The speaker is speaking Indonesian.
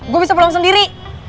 gua bisa pulang sendiri